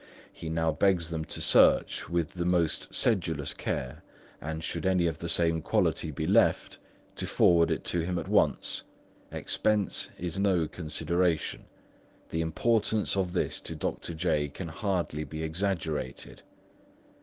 He now begs them to search with most sedulous care, and should any of the same quality be left, forward it to him at once. Expense is no consideration. The importance of this to Dr. J. can hardly be exaggerated."